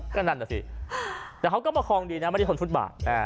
ก็นั่นน่ะสิแต่เขาก็ประคองดีนะไม่ได้ทนฟุตบาท